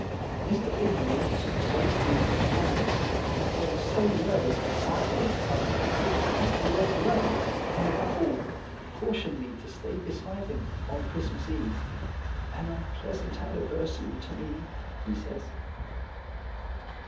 Mr. Audenried, wasted and wan, had grown so nervous that after this time he refused to be left alone, and above all, cautioned me to stay beside him on Christmas Eve. "An unpleasant anniversary to me," he says.